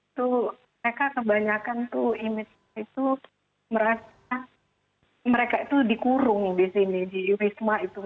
itu mereka kebanyakan tuh itu merasa mereka itu dikurung disini di wisma itu